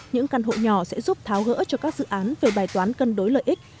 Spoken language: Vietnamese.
những căn hộ nhỏ sẽ giúp tháo gỡ cho các dự án về bài toán cân đối lợi ích